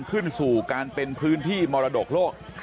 ขึ้นสู่การเป็นพื้นที่มรดกโลก